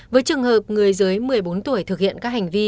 với trường hợp người dưới một mươi bốn tuổi thực hiện các hành vi